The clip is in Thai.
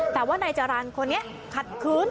แต่ว่านายจรรย์คนนี้ขัดคืน